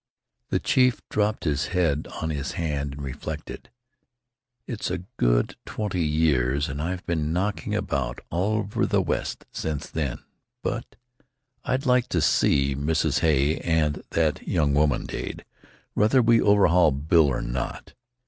The chief dropped his head on his hand and reflected. "It's a good twenty years, and I've been knocking about all over the West since then, but, I'd like to see Mrs. Hay and that young woman, Dade, whether we overhaul Bill or not.